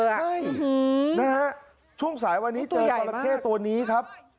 ใช่นะฮะช่วงสายวันนี้เจอจราเข้ตัวนี้ครับ